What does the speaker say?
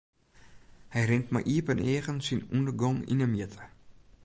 Hy rint mei iepen eagen syn ûndergong yn 'e mjitte.